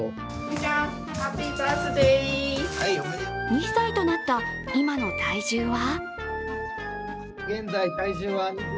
２歳となった今の体重は？